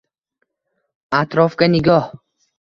Atrofga nigoh